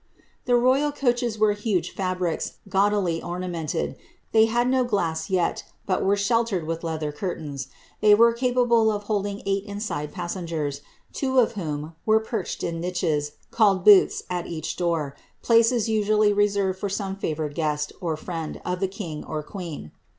'' The royal carriages were huge fiibrics, gaudily ornamented ; they had no glass as yet, but were sheltered with leather curtains ; they were capable of holding eight inside passengers, two of whom were perched in niches, called boots, at each door, pkieea usually reserved for some favoured guest or friend of the king or queen.